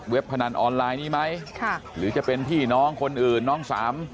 พนันออนไลน์นี้ไหมค่ะหรือจะเป็นพี่น้องคนอื่นน้องสาม